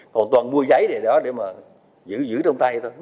còn toàn mua giấy để đó để mà giữ giữ trong tay thôi